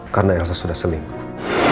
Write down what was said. karena elsa sudah selingkuh